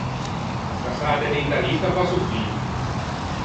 À scassâte d’inta lista fasso fito.